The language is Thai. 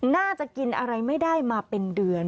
น่าจะกินอะไรไม่ได้มาเป็นเดือน